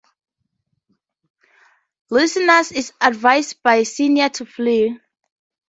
Licinius is advised by Cinna to flee.